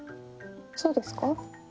そうですか？